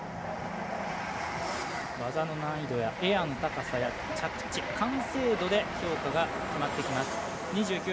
技の難易度やエアの高さや着地、完成度で評価が決まってきます。